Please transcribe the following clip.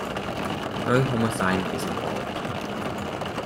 No homicide is involved.